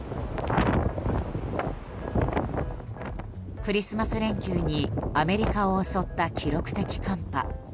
クリスマス連休にアメリカを襲った記録的寒波。